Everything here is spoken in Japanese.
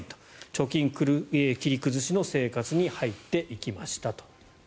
貯金切り崩しの生活に入っていきましたと。